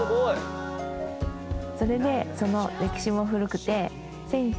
それでその歴史も古くて。